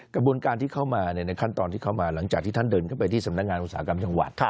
กระบวนการที่เข้ามาในขั้นตอนที่เข้ามาหลังจากที่ท่านเดินเข้าไปที่สำนักงานอุตสาหกรรมจังหวัด